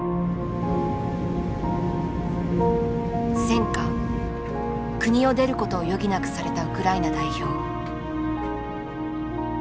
戦禍国を出ることを余儀なくされたウクライナ代表。